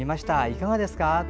いかがですか？